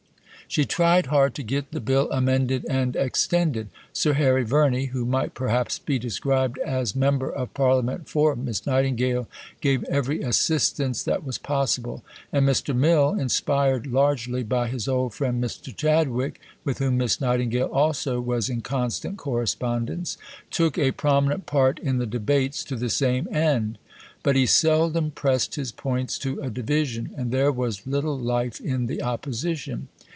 She tried hard to get the Bill amended and extended. Sir Harry Verney, who might perhaps be described as "Member of Parliament for Miss Nightingale," gave every assistance that was possible; and Mr. Mill, inspired largely by his old friend Mr. Chadwick (with whom Miss Nightingale also was in constant correspondence), took a prominent part in the debates to the same end. But he seldom pressed his points to a division, and there was little life in the opposition.